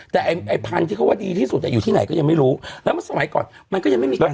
แต่ไอ้พันธุ์ที่เขาว่าดีที่สุดอยู่ที่ไหนก็ยังไม่รู้แล้วเมื่อสมัยก่อนมันก็ยังไม่มีใคร